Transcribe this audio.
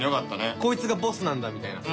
こいつがボスなんだみたいなさ。